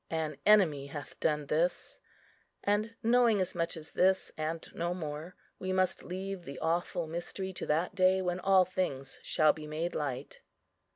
"An enemy hath done this;" and, knowing as much as this, and no more, we must leave the awful mystery to that day when all things shall be made light.